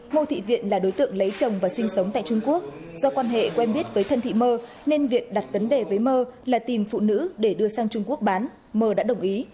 ngô thị viện là đối tượng lấy chồng và sinh sống tại trung quốc do quan hệ quen biết với thân thị mơ nên việt đặt vấn đề với mơ là tìm phụ nữ để đưa sang trung quốc bán mờ đã đồng ý